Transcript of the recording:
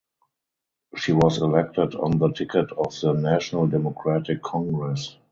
She was elected on the ticket of the National Democratic Congress.